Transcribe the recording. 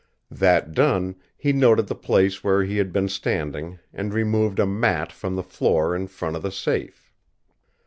That done, he noted the place where he had been standing, and removed a mat from the floor in front of the safe.